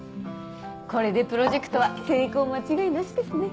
これでプロジェクトは成功間違いなしですね。